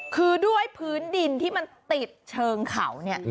คือด้วยพื้นดินที่มันติดเชิงเขาเนี่ย